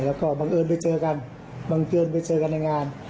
แล้วก็บังเอิญไปเจอกันบังเอิญไปเจอกันในงาน